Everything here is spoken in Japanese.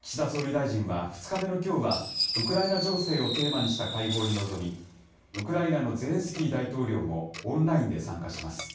岸田総理大臣は２日目のきょうは、ウクライナ情勢をテーマにした会合に臨み、ウクライナのゼレンスキー大統領も、オンラインで参加します。